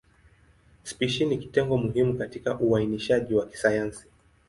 Spishi ni kitengo muhimu katika uainishaji wa kisayansi.